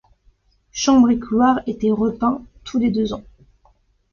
Chambres et couloirs étaient repeints tous les deux ans.